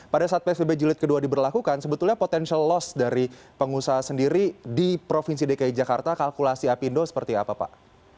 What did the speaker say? pada saat psbb jilid kedua diberlakukan sebetulnya potensial loss dari pengusaha sendiri di provinsi dki jakarta kalkulasi apindo seperti apa pak